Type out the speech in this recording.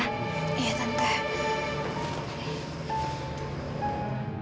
saja di passporthran diriku